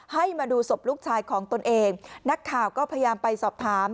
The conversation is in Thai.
ให้มาดูศพลูกชายของตนเองนักข่าวก็พยายามไปสอบถาม